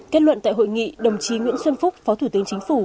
kết luận tại hội nghị đồng chí nguyễn xuân phúc phó thủ tướng chính phủ